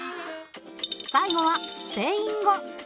最後はスペイン語。